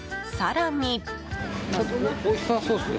更に。